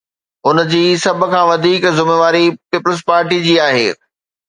ان جي سڀ کان وڌيڪ ذميواري پيپلز پارٽيءَ جي آهي.